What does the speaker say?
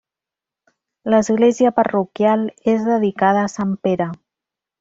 L’església parroquial és dedicada a sant Pere.